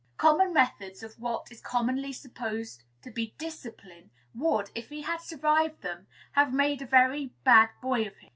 Common methods of what is commonly supposed to be "discipline" would, if he had survived them, have made a very bad boy of him.